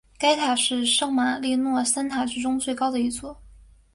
该塔是圣马利诺三塔之中最高的一座。